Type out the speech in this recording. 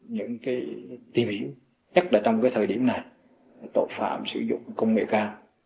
những cái tìm hiểu nhất là trong cái thời điểm này tội phạm sử dụng công nghệ cao